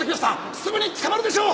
すぐに捕まるでしょう！